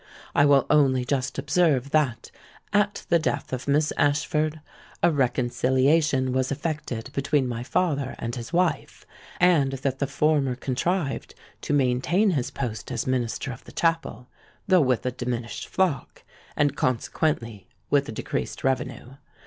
I will only just observe that, at the death of Miss Ashford, a reconciliation was effected between my father and his wife; and that the former contrived to maintain his post as minister of the chapel—though with a diminished flock, and consequently with a decreased revenue.